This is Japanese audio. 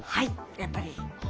やっぱり。